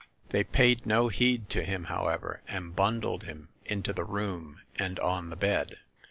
They paid no heed to him, however, and bundled him into the room and on the bed.